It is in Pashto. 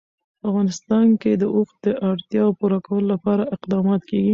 په افغانستان کې د اوښ د اړتیاوو پوره کولو لپاره اقدامات کېږي.